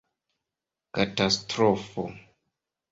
katastrofo